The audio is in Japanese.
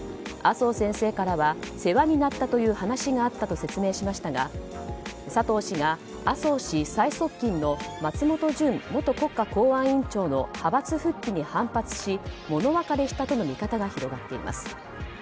麻生先生からは世話になったという話があったと説明しましたが佐藤氏が麻生氏最側近の松本純元国家公安委員長の派閥復帰に反発し物別れしたとの見方が広まっています。